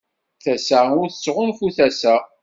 Tasa ur tettɣunfu tasa.